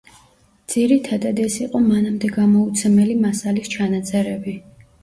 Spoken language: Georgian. ძირითადად ეს იყო მანამდე გამოუცემელი მასალის ჩანაწერები.